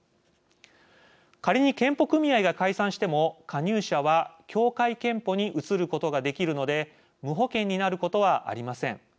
仮に健保組合が解散しても加入者は協会けんぽに移ることができるので無保険になることはありません。